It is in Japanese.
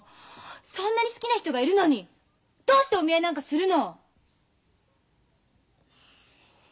そんなに好きな人がいるのにどうしてお見合いなんかするの！？